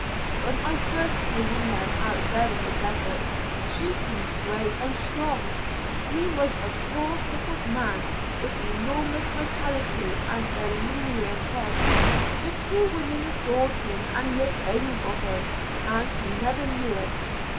"When I first came on them out there in the desert, she seemed brave and strong. He was a poor, crippled man, with enormous vitality and a leonine head. The two women adored him and lived only for him, and he never knew it.